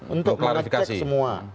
untuk memakai cek semua